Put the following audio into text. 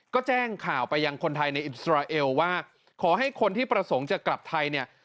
ก็แจ้งข่าวไปยังคนไทยในอิสราเอลว่าขอให้คนที่ประสงค์จะกลับไทยเนี่ย